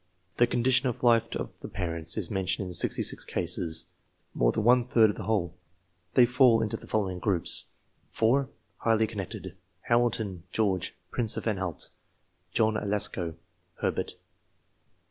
The condition of life of the parents is mentioned in 66 cases more than one third of the whole. They fall into the following groups : 4. Highly connected. Hamilton ; George, Prince of An halt ; John i Lasco ; Herbert.